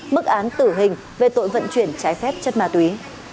mức án tử hình về tội vận chuyển trái phép chất ma túy